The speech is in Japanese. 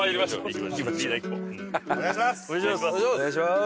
お願いします！